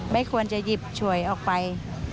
ไม่ควรจะหยิบฉวยออกไป